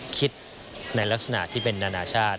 คิดในลักษณะที่เป็นนานาชาติ